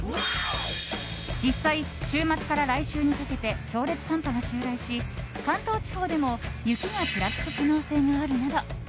実際、週末から来週にかけて強烈寒波が襲来し関東地方でも雪がちらつく可能性があるなど